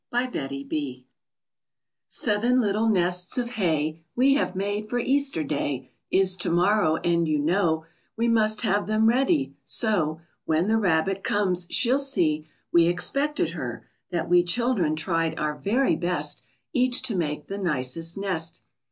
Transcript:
EASTER EGGS Seven little nests of hay We have made, for Easter day Is to morrow, and you know We must have them ready, so When the Rabbit comes she'll see We expected her, that we Children tried our very best Each to make the nicest nest.